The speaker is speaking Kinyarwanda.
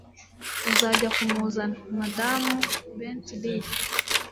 Uzajya kumuzana, Madamu Bentley?